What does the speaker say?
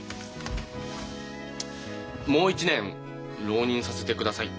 もう一年浪人させてください。